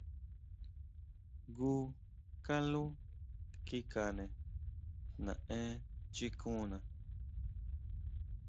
Jngu kaló kikane naʼenchikona.